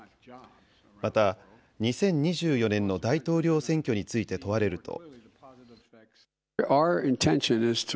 また２０２４年の大統領選挙について問われると。